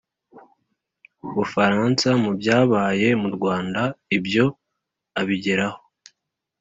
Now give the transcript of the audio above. bufaransa mu byabaye mu rwanda. ibyo abigeraho